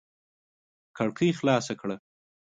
کړکۍ خلاصې کړه!